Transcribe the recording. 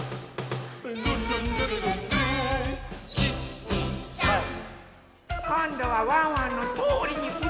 「ルンルンルルルンルン１・２・３」こんどはワンワンのとおりにうたってね。